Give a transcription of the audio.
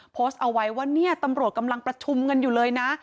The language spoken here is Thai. โพสต์เอาไว้ว่าเนี่ยตำรวจกำลังประชุมกันอยู่เลยนะ